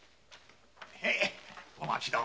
へいお待ちどう。